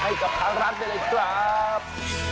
ให้กับข้ารักได้เลยครับ